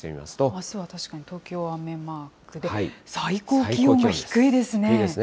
あすは確かに東京、雨マークで、最高気温が低いですね。